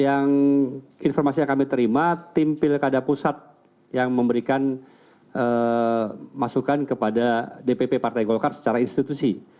informasi yang kami terima tim pilkada pusat yang memberikan masukan kepada dpp partai golkar secara institusi